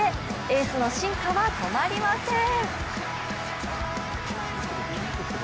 エースの進化は止まりません。